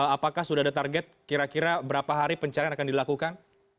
apakah sudah ada target kira kira berapa hari pencarian akan dilakukan